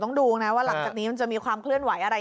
ดูนะว่าหลังจากนี้มันจะมีความเคลื่อนไหวอะไร